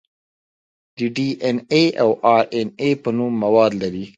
د ډي ان اې او ار ان اې په نوم مواد لري.